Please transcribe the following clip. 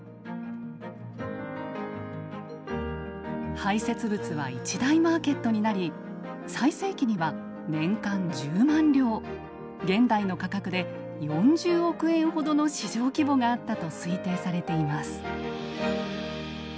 排せつ物は一大マーケットになり最盛期には年間１０万両現代の価格で４０億円ほどの市場規模があったと推定されています。